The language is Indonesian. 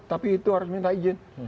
tapi itu harus minta izin